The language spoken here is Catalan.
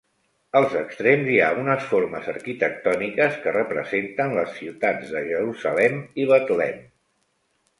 Als extrems hi ha unes formes arquitectòniques que representen les ciutats de Jerusalem i Betlem.